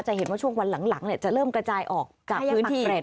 จะเห็นว่าช่วงวันหลังเนี่ยจะเริ่มกระจายออกกับพื้นที่